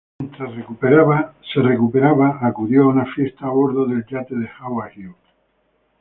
Mientras se recuperaba, acudió a una fiesta a bordo del yate de Howard Hughes.